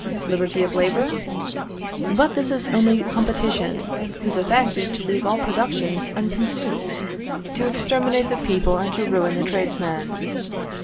Liberty of labour? But this is only competition, whose effect is to leave all productions unconsumed, to exterminate the people, and to ruin the tradesmen.